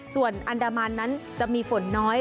ส่วนอันดามันนั้นจะมีฝนน้อย